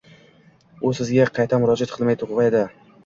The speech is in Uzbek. u sizga qayta murojaat qilmay qo‘yadi.